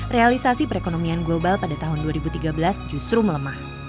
realisasi perekonomian global pada tahun dua ribu tiga belas justru melemah